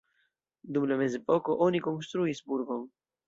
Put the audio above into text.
Dum la mezepoko oni konstruis burgon.